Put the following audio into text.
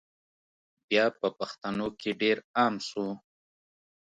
بیا په پښتنو کي ډېر عام سو